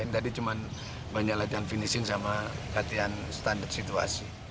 tadi cuma banyak latihan finishing sama latihan standar situasi